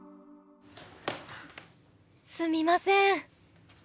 すみません！